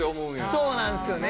そうなんですよね。